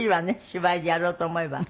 芝居でやろうと思えば。